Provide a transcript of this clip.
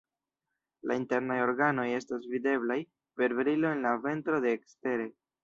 La internaj organoj estas videblaj per brilo en la ventro de ekstere.